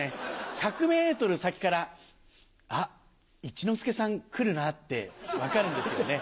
１００ｍ先から「あっ一之輔さん来るな」って分かるんですよね。